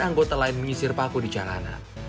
anggota lain menyisir paku di jalanan